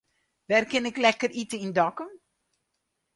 Wêr kin ik lekker ite yn Dokkum?